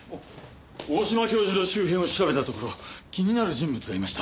大島教授の周辺を調べたところ気になる人物がいました。